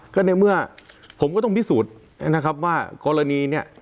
ก็ในเมื่อผมก็ต้องพิสูจน์ว่ากรณี